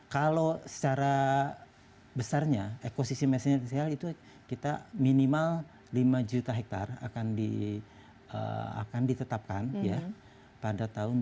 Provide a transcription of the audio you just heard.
kalau secara besarnya ekosistem esensial itu kita minimal lima juta hektare akan ditetapkan ya pada tahun dua ribu dua puluh